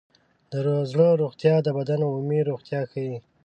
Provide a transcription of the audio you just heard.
د زړه روغتیا د بدن عمومي روغتیا ښيي.